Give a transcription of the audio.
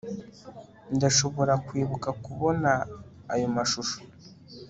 Ndashobora kwibuka kubona ayo mashusho